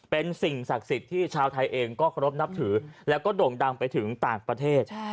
เป็นสิ่งศักดิ์สิทธิ์ที่ชาวไทยเองก็เคารพนับถือแล้วก็โด่งดังไปถึงต่างประเทศ